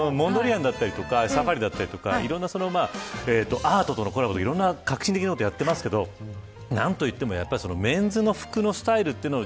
モンドリアンだったりサファリだったりいろんなアートとのコラボで革新的なことやってますけど何と言ってもメンズの服のスタイルというのを